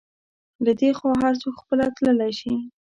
له دې خوا هر څوک خپله تللی شي.